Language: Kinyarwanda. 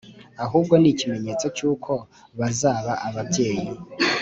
Ahubwo ni ikimenyetso cy’uko bazaba ababyeyi